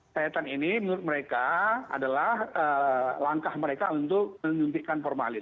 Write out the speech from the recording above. sayatan ini menurut mereka adalah langkah mereka untuk menyuntikkan formalin